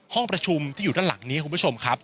ห้องประชุมที่อยู่ด้านหลังนี้คุณผู้ชมครับ